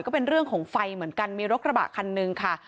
ก็เป็นเรื่องของไฟเหมือนกันมีรถกระบะคันนึงค่ะ